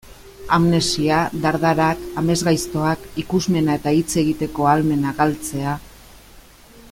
Amnesia, dardarak, amesgaiztoak, ikusmena eta hitz egiteko ahalmena galtzea...